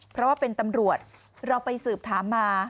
เพราะว่าเป็นตำรวจเราไปสืบถามมา